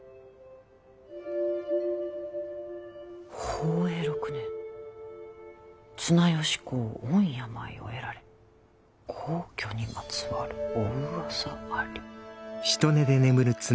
宝永６年綱吉公御病を得られ薨去にまつわるお噂あり？